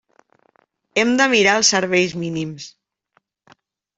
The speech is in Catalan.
Hem de mirar els serveis mínims.